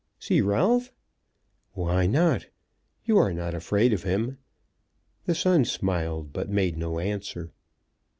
"See Ralph?" "Why not? You are not afraid of him." The son smiled, but made no answer.